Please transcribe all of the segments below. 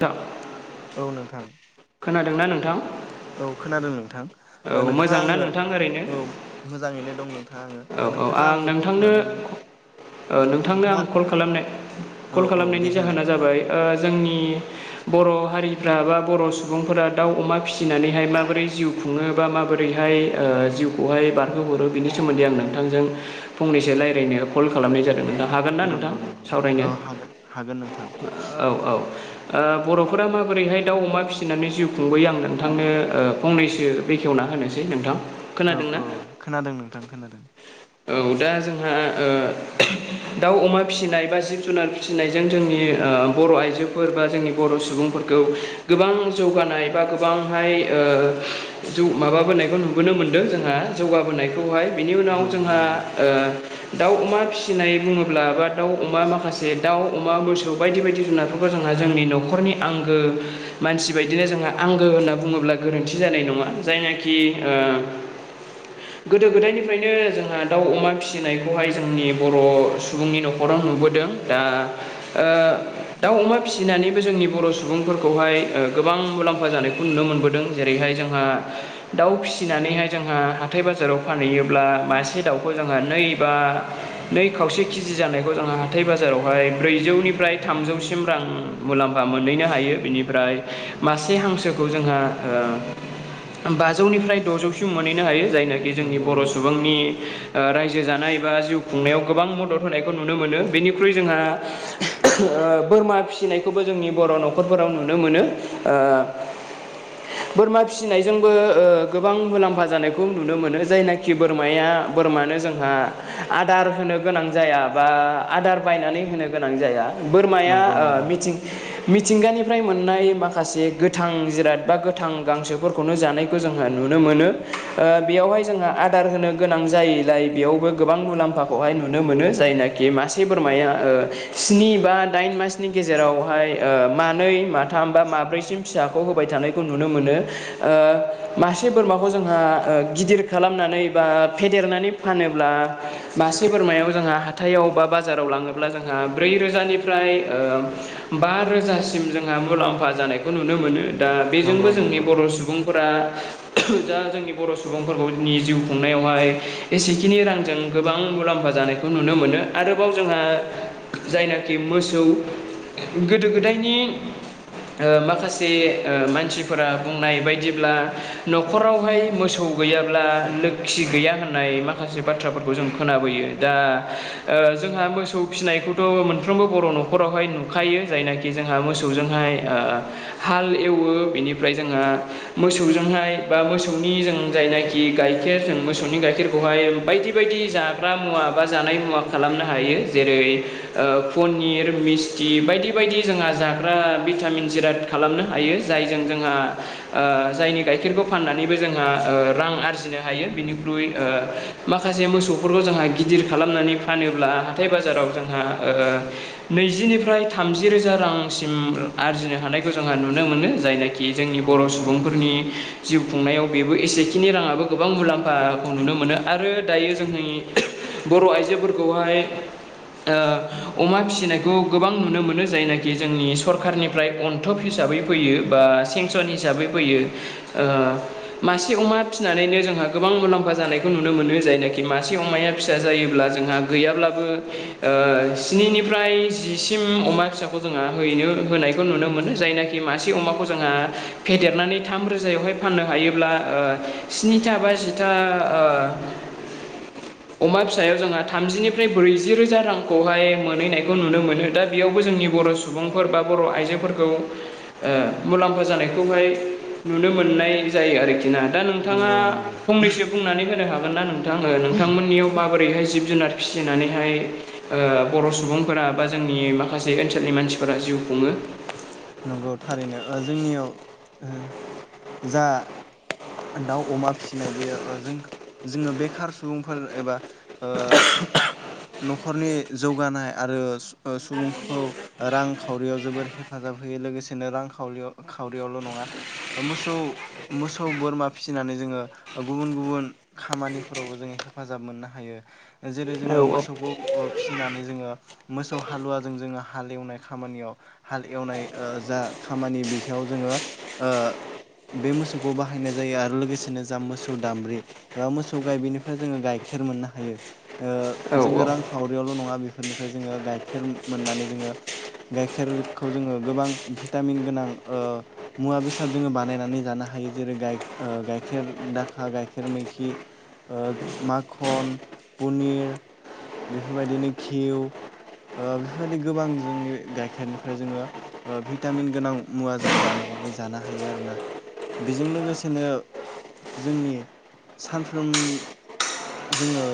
दा [inaudible] औ नोंथां नोंथां औ खोनादों नोंथां औ नोंथाङा मोजांना आंनो नोंथां ओरैनो औ मोजाङैनो दं नोंथाङा औ आङो औ नोंथाङा आं आंनो कल नोंथांनो खालामनायनि नोंथांनो नोंथाङा आं कल खालामनाय औ कल औ दे खालामनायनि होननाय जाहोना जाबाय जोंनि बर' हारिफ्रा बा बर' सुबुंफोरा दाउ अमा फिसिनानैहाय माबोरै जिउ खुनो बा माबोरैहाय जिउखौहाय बारहोहरो बिनि सोमोन्दै आं नोंथांजों फंनैसो रायलायनाय कल खालामनाय जादों नोंथां हागोन ना नोंथां नंगौ नंगौ औ सावरायनो हागोन हागोन नोंथां औ औ ओ बर'फोरा माबोरैहाय दाउ अमा फिसिनानै जिउ खुंबोयो आं नोंथांनो फंनैसो [unintelligible] बेखेवना होनोसै नोंथां। औ खोनादोंना? औ खोनादों नोंथां खोनादों। औ दा जोंहा ओ दाउ अमा फिसिनाय बा जिब जुनार फिसिनायजों जोंनि ओ बर' आइजोफोर बा जोंनि बर' सुबुंफोरखौ गोबां जौगानाय बा गोबांहाय ओ ओ जौ माबाबोनायखौ नुबोनो मोनदों जोंहा जौगाबोनायखौहाय। बिनि उनाव नंगौ जोंहा नंगौ ओ दाउ अमा फिसिनाय बुङोब्ला बा दाउ अमा माखासे दाउ अमा मोसौ बायदि बायदि जुनार खौबो जोंहा जोंनि न'खरनि आंगो मानसि बायदिनो जोंहा आंगो होनना बुङोब्ला गोरोन्थि जानाय न ङा जायनाखि ओ गोदो गोदायनिफ्रायनो जों हा दाउ अमा फिसिनायखौहाय जोंनि बर' सुबुंनि न'खराव नुबोदों। दा ओ आ दाउ अमा फिसिनानैबो जोंनि बर' सुबुंफोरखौहाय ओ गोबां मुलाम्फा जानायखौ नुनो मोनबो दों। जेरैहाय जोंहा दाउ फिसिनानैहाय जोंहा हाथाय बाजाराव फानहैयोब्ला मासे दाउखौ जोंहा नै बा नै खावसे केजि जानायखौ जोंहा हाथाय बाजारावहाय ब्रैजौनिफ्रा य थामजौसिम रां मुलाम्फा मोनहैनो हायो बिनिफ्राय मासे हांसोखौ जोंहा ओ बाजौनिफ्राय द'जौसिम मोनहैनो हायो जायनाखि जोंनि नंगौ बर' नंगौ सुबुंनि ओ रायजो जानाय बा जिउ खुंनायाव गोबां मदद होनायखौ नुनो मोनो बेनिख्रुइ जोंहा [unintelligible] ओ बोरमा फिसिनायखौबो जोंनि बर' न'खरफोराव नुनो मोनो ओ [inaudible] बोरमा फिसिनायजोंबो ओ गोबां मुलाम्फा जानायखौ नुनो मोनो जायनाखि बोरमाया बोरमानो जोंहा आदार होनो गोनां जाया बा आदार बायनानै होनो गोनां जाया बोरमाया नंगौ ओ नंगौ मिथिं-मि थिंगानिफ्राय मोननाय माखासे गोथां जिराद बा गोथां गांसोफोरखौनो जानायखौ जोङो नुनो मोनो। ओ बेयावहाय जोंना आदार होनो गो नां जायैलाय बेयावबो गोबां मुलाम्फाखौहाय नुनो मोनो जायनाखि मासे बोरमाया ओ स्नि बा दाइन मासनि गेजेरावहाय ओ मानै माथाम बा माब्रैसिम फिसाखौ होबाय थानाय खौ नुनो मोनो ओ मासे बोरमाखौ जोंहा ओ गिदिर खालामनानै बा फेदेरनानै फानोब्ला मासे बोरमायाव जोंहा हाथायाव बा बाजाराव लाङोब्ला जोंहा ब्रै रोजानिफ्राय बा रोजासिम जोंहा मुलाम्फा जानायखौ नुनो मोनो। दा नंगौ बेजोंबो जोंनि नंगौ बर' सुबुं फोरा दा जोंनि बर' सुबुंफोरखौनि जिउ खुंनायाव हाय एसेखिनि रांजों गोबां मुलाम्फा जानायखौ नुनो मोनो आरोबाव जोंहा जायनाखि मोसौ गोदो गोदायनि ओ माखासे ओ मानसिफोरा बुंनाय बायदिब्ला न'खरावहाय मोसौ गैयाब्ला लो खि गैया होननाय माखासे बाथ्राफोरखौ जों खोनाबोयो दा ओ जोंहा मोसौ फिनाय खौथ मोनफ्रोमबो बर' न'खरावहाय नुखायो जायनाखि जोंहा मोसौजोंहाय ओ हाल एवो बेनिफ्राय जोंहा मोसौजोंहाय बा मोसौनि जों जायनाखि गाय खेर जों मोसौनि गाइखेरखौहाय बायदि बायदि जाग्रा मुवा बा जानाय मुवा खालामनो हायो। जेरै ओ पनिर मिस्थि बायदि बायदि जोंहा जाग्रा भिटामिन जिराद खालामनो हायो जायजों जोंहा ओ जायनि गाइखेरखौ फाननानैबो जोंहा रां आरजिनो हायो बिनिख्रु ओ माखासे मोसौफोरखौ जोंहा गिदिर खालामनानै फानोब्ला हाथाय बाजाराव जोंहा ओ नैजिनिफ्राय थामजि रोजा रांसिम आरजिनो हानायखौ जोंहा नुनो मोनो जायनाखि जोंनि बर' नंगौ नंगौ सुबुंफोरनि जिउ खुंनायाव बेबो एसेखिनि राङाबो गोबां मुलाम्फाखौ नुनो मोनो आरो दायो जोंनि बर' आइजोफोरखौहाय ओ अमा फिसिनायखौ गोबां नुनो मोनो जायनाखि जोंनि सरखारनिफ्राय अनथोब हि साबै फैयो बा सेंसन हिसाबै फैयो ओ मासे अमा फिनानैनो जोंहा गोबां मुलाम्फा जानायखौ नुनो मोनो जायनाखि मासे अमाया फिसा जायोब्ला जोंहा गैयाब्लाबो ओ स्निनिफ्राय जिसिम अमा फिसाखौ जोंहा हैनो होनायखौ नुनो मोनो जायना खि मासे अमाखौ जोंहा फेदेरनानै थाम रोजायावहाय फाननो हायोब्ला ओ स्निथा बा जिथा अमा फिसायाव जोंहा थामजिनिफ्राय ब्रैजि रोजा रांखौहाय मोनहैनायखौ नुनो मोनो दा बेयावबो जोंनि बर' सुबुंफोर बा बर' आइजोफोरखौ मुलाम्फा जानायखौहाय नुनो मोन नाय जायो आरोखि ना। दा नोंथाङा नंगौ नंगौ फंनैसो बुंनानै होनो हागोन ना नोंथाङो नोंथांमोननियाव माबोरैहाय जिब जुनार फिसिनानैहाय बर' सुबुंफोरा बा जोंनि माखासे ओनसोलनि मानसिफोरा जिउ खुङो। नंगौ थारैनो ओ जोंनियाव ओ जा दाउ अमा फिसिनाय बेयो ओ जों जोङो बेखार सुबुंफोर एबा ओ [unintelligible] न'खरनि जौगानाय आरो सु सुबुंखौ रांखावरियाव जोबद हेफाजाब हो होयो लोगोसेनो खावरियाव खावरियावल' नङा मोसौ मोसौ बोरमा फिसिनानै जोङो गुबुन गुबुन खामानिफोरावबो जोङो हेफाजाब मोननो हायो जेरै औ जोङो मोसौ खौ ओ फिसिनानै जोङो मोसौ हालुवाजों जोङो हाल एवनाय खामानियाव हाल एवनाय ओ जा खामानि बिखौ जोंङो ओ बे मोसौखौ बाहायनाय जायो आरो लोगोसेनो जा मोसौ दाम्ब्रि एबा मोसौ गाय बेनिफ्राय जोङो गायखे खेर मोननो हायो ओ औ जोङो रांखावरियावल' नङा बेफोरनिफ्राय जोङो गाइखेर मोननानै जोङो गाइखेरखौ जोङो गोबां भिटामिन गोनां ओ मुवा बेसाद जोङो बानायनानै जानो हायो जेरै गाय गाय खेर दाखा गाइखेर मैखि ओ माखन पनिर बेफोरबायदिनो घिउ ओ बेफोरबायदि गोबां जोंनि गाइखेरनिफ्राय जोङो ओ भिटामिन गोनां मुवा जोङो बानायनानै जानो हायो आरोना बेजों लोगोसेनो जोंनि सानफ्रोम जोङो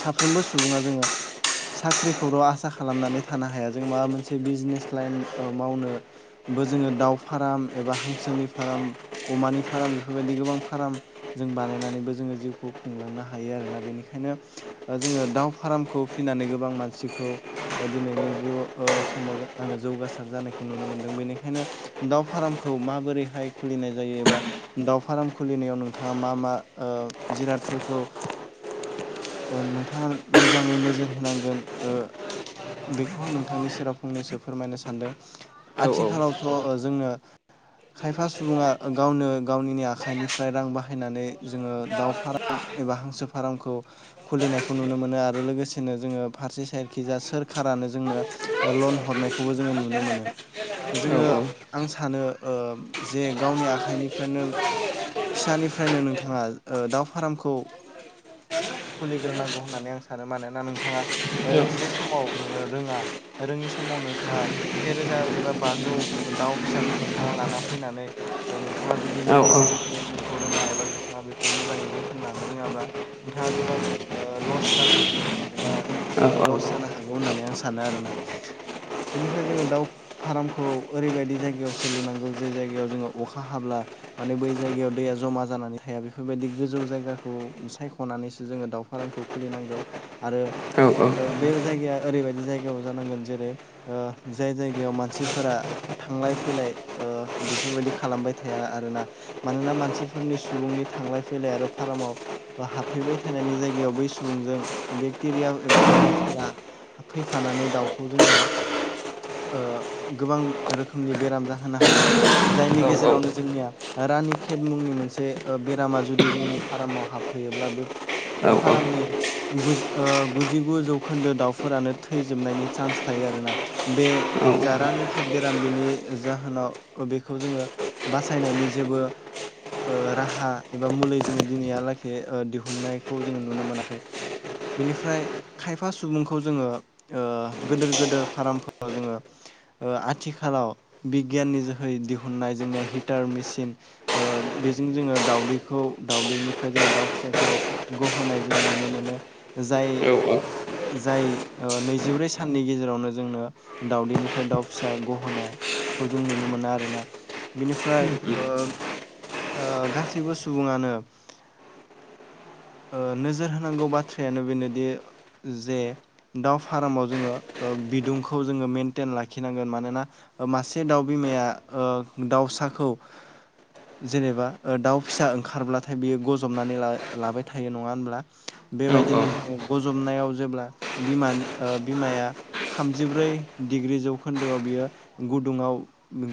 साफ्रोमबो सुबुङा जोङो साख्रिखौल' आसा खालामनानै थानो हाया जों माबा मोनसे बिजनेस लाइन ओ मावनो ब जोङो दाउ फार्म एबा हांसोनि फार्म अमानि फार्म बेफोरबायदि गोबां फार्म जों बानायनानैबो जोङो जिउखौ खुंलांनो हायो आरोना बेनिखायनो ओ जोङो दाउ फार्मखौ फिसिनानै गोबां मानसिखौ ओ दिनैनि जिउ ओ समाव आङो जौगासार जानायखौ नुनो मोनदों बेनिखायनो दााव फार्मखौ माबोरैहाय खुलिनाय जायो एबा दाउ फार फार्म खुलिनायाव नोंथाङा मा मा जिरादफोरखौ [unintelligible] ओ नोंथाङा मोजाङै नोजोर होनांगोन ओ बेखौ आं नोंथांनि सेरा फंनैसो फोरमायनो सानदों औ औ आथिखालावथ' जोंनो खायफा सुबुङा गावनो गावनिनो आखाइनिफ्राय रां बाहायनानै जोङो दाव फार्म एबा हांसो फार्मखौ खुलिनायखौ नुनो मोनो आरो लोगोसेनो जोङो फारसे सायडखि जा सोरखारा नो जोंनो लन हरनायखौबो जोङो नुनो मोनो औ जोङो आं सानो ओ जे गावनि आखाइनिफ्रायनो फिसानिफ्रायनो नोंथाङा ओ दाउ फार्मखौ ज [unintelligible] खुलिग्रोनांगौ होननानै आं सानो मानोना नोंथाङा जे समाव नोङो रोङा रोङि समाव नोंथाङा सेेरोजा एबा बाजौ दाउ फिसाखौ नोंथाङा लाना फैनानै ओ नोंथाङा जुदि मेडिसिन फोरनि मुंखौ रोङा एबा नोंथाङा बेखौ मोजाङै जोथोन लानो रोङाबा नोंथाङा गोबां ओ लस जानो हागोन एबा ओ लस जानो हागौ होननानै आं सानो आरोना बेनिफ्राय जोङो दाउ फार्मखौ ओरैबायदि जायगायाव सोलुनांगौ जे जायगायाव जोङो अखा हाब्ला माने बै जायगायाव दैया जमा जानानै थाया बेफोरबायदि गोजौ जायगाखौ सायख'नानैसो जोङो दाउ फार्मखौ खुलिनांगौ आरो ओ बे जायगाया ओरैबायदि जायगायाव जानांगोन जेरै ओ जाय जायगायाव मानसिफोरा थांलाय फैलाय ओ बेफोरबायदि खालामबाय थाया आरोना मानोना मानसिफोरनि सुबुंनि थांलाय फैलाय आरो फार्माव हाबफैबाय थानायनि जायगायाव बै सु बुंजों बेक्टेरिया एबा भाइरासफोरा हाबफैफानानै दाउखौ जोंनिया ओ गोबां रोखोमनि बेराम जाहोनो हायो जायनि गेजेरावनो जोंनिया रानि खेत मुंनि मोनसे ओ बेरामा जुदि जोंनि फार्माव हाबफैयोब्ला बे औ औ फार्मनि गुज ओ गुजिगु जौखोन्दो दाउफोरानो थैजोबनायनि चान्स थायो आरोना बे जारानि खेत बेराम बेनि जाहोनाव बेखौ जोङो बासायनायनि जे बो ओ राहा एबा मुलि जोङो दिनैहालागै दिहुननायखौ जोङो नुनो मोनाखै बेनिफ्राय खायफा सुबुंखौ जोङो ओ गिदोर गिदोर फार्म फोराव जोङो ओ आथिखालाव बिगियाननि जोहै दिहुननाय जोंनिया हिटार मेसिन ओ बेजों जोङो दाउदैखौ दाउदैनिफ्राय जोङो दाउ फिसाखौ गहोनाय जोङो नुनो मोनो जाय जाय ओ नैजिब्रै साननि गेजेरावनो जोंनो दाउदैनिफ्राय दाउ फिसा गहोनाय खौ जों नुनो मोनो आरोना बिनिफ्राय ओ ओ गासैबो सुबुङानो [inaudible] ओ नोजोर होनांगौ बाथ्रायानो बेनोदि जे दाउ फार्माव जोङो ओ बिदुंखौ जोङो मेनटेन लाखिनांगोन मानोना मासे दाउ बिमाया ओ दाउसा खौ जेनेबा दाउ फिसा ओंखारब्लाथाय बियो गजबनानै लाबाय थायो नङा होमब्ला बे बादिनो जोङो ग जबनायाव जेब्ला बिमा बिमाया थामजिब्रै डिग्रि जौखोन्दोआव बियो गुदुङाव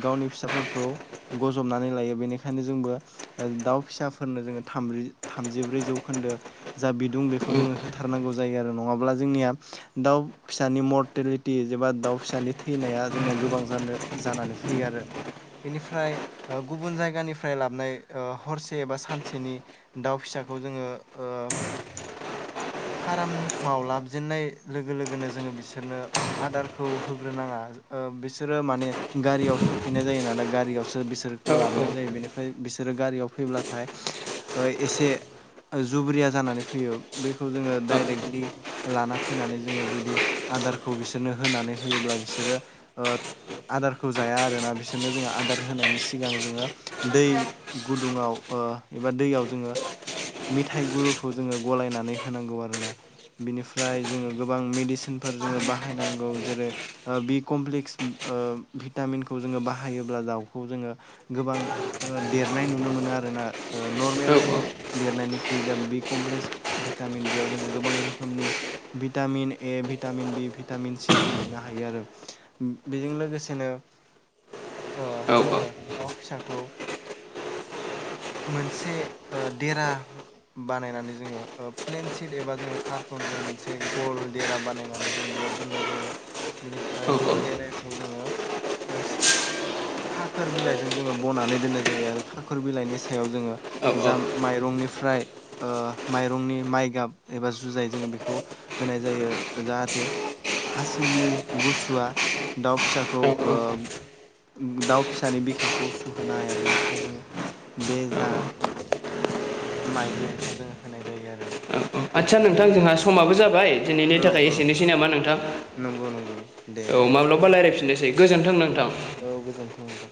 गावनि फिसाफोरखौ गजबनानै लायो बेनिखायनो जोंबो ओ दाउ फिसाफोरनो जोङो थाम थामजिब्रै जौखोन्दो जा बिदुं बेखौ जोङो होथारनांगौ जायो आरो नङाब्ला जोंनिया दाउ फिसानि मर्टेलिटि एबा दाउ फिसानि थैनाया जोंनिया गोबां जानो जानानै फैयो आरो बेनिफ्राय ओ गुबुन जायगानिफ्राय लाबनाय ओ हरसे एबा सानसेनि दाउ फिसा खौ जोङो ओ [inaudible] फार्माव लाबजेननाय लोगो लोगोनो जोङो बिसोरनो आदारखौ होग्रोनाङा ओ बिसोरो माने गारियाव सफैनाय जायो ना गारियाव सो बिसोरखौ लाबोनाय जायो बेनिफ्राय बिसोरो गारियाव फैब्लाथाय ओ एसे जुब्रिया जानानै फैयो बेखौ जोङो डाइरेक्टलि लाना फैनानै जोङो जुदि आ दारखौ बिसोरनो होनानै होयोब्ला बिसोरो ओ आदारखौ जाया आरोना बिसोरनो जोङो आदार होनायनि सिगां जोङो दै गुदुङाव ओ एबा दैयाव जोङो मेथाइ गुरुखौ जोङो गलायनानै होनांगौ आरोना बिनिफ्राय जोङो गोबां मेडिसिनफोर जोङो बाहायनांगौ जेरै बि कमप्लिकस ओ भिटामिनखौ जोङो बाहायोब्ला दाउखौ जोङो गोबां देरनाय नुनो मोनो आरोना ओ नरमेलि निख्रुय जा बि कमप्लिकस भितामिन बेयाव जोङो गोबां रोखोमनि भिटामिन ए भिटा मिन बि भिटामिन सि खौ मोननो हायो आरो बेजों लोगोसेनो ओ जोङो दाउ फिसाखौ मोनसे ओ देरा बानायनानै जोङो प्लेनसिट एबा जोङो कार्टनजों मोनसे गल देरा बानायनानै जोङो बे राव दोननाय जायो बेनिफ्राय गल देराखौ जोङो ओ खाखोर बिलाइजों जोङो बनानै दोननाय जायो आरो खाखोर बिलाइनि सायाव जोङो जा माइरंनिफ्राय ओ माइरंनि माइगाब एबा जुजाय जोङो बेखौ होनाय जायो जाहाथे हासिंनि गुसुवा दाउ फिसाखौ ओ दाउ फिसानि बिखाखौ सुहोनो हाया बेनि थाखाय जोङो बे जा माइलि बेखौ जोङो होनाय जायो आरोना। आदसा नोंथां जोंहा बेनिफ्राय समाबो जाबाय दिनैनि औ थाखाय औ एसेनोसै नामा नोंथां। नंगौ नंगौ दे औ नोंथां माब्लाबा रायज्लायफिननोसै गोजोन्थों नोंथां ओं दे।